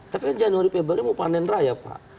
tapi kan januari februari mau panen raya pak